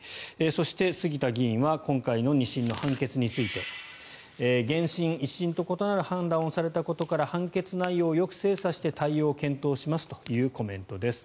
そして、杉田議員は今回の２審の判決について原審、１審と異なる判断をされたことから判決内容をよく精査して対応を検討しますということです。